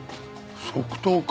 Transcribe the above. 即答か。